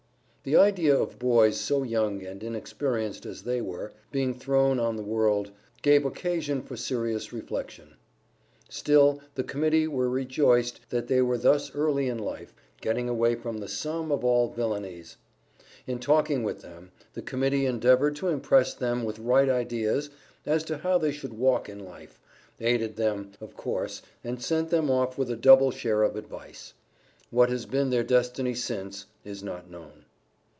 The idea of boys, so young and inexperienced as they were, being thrown on the world, gave occasion for serious reflection. Still the Committee were rejoiced that they were thus early in life, getting away from the "Sum of all villanies." In talking with them, the Committee endeavored to impress them with right ideas as to how they should walk in life, aided them, of course, and sent them off with a double share of advice. What has been their destiny since, is not known.